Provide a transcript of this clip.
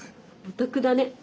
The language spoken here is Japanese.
お得だね。